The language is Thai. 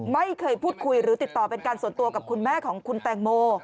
ไม่เคยพูดคุยหรือติดต่อเป็นการส่วนตัวกับคุณแม่ของคุณแตงโม